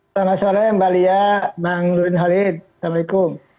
selamat sore mbak lia bang nurdin halid assalamualaikum